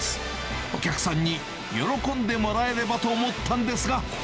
お客さんに喜んでもらえればと思ったんですが。